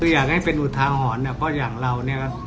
อยากให้เป็นอุทาหรรณ์เนี่ยอย่างเราเนี่ย